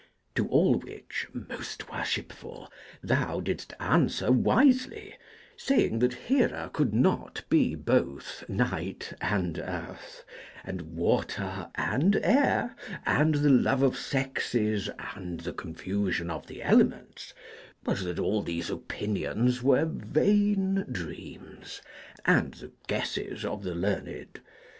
To all which, most worshipful, thou didst answer wisely: saying that Hera could not be both night, and earth, and water, and air, and the love of sexes, and the confusion of the elements; but that all these opinions were vain dreams, and the guesses of the learned.